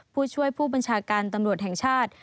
ผู้ช่วยผู้บัญชาการตำรวจแห่งชาติ